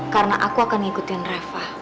karena aku akan ngikutin reva